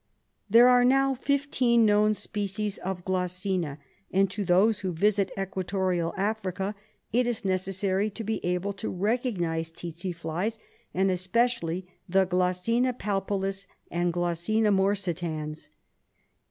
There are now fifteen known species of glossina, and to those who visit equatorial Africa it is necessary to be able to recognise tsetse flies, and especially the Glossina palpalis and Glossina morsitans.